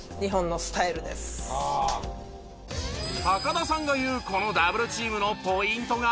田さんが言うこのダブルチームのポイントが。